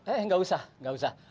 eh gak usah gak usah